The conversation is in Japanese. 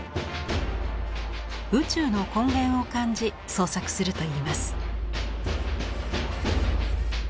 宇宙の根源を感じ創作するといいます。